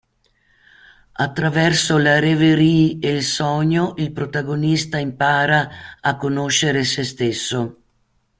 Attraverso la rêverie e il sogno il protagonista impara a conoscere se stesso.